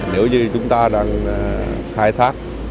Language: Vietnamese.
nếu như chúng ta đang khai thác sự